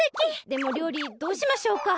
でもりょうりどうしましょうか。